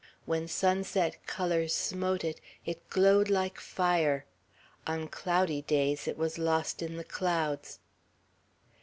When sunset colors smote it, it glowed like fire; on cloudy days, it was lost in the clouds.